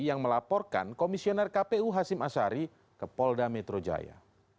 yang melaporkan komisioner kpu hasim ashari ke polda metro jaya